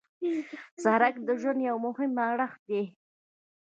سړک د ژوند یو مهم اړخ دی.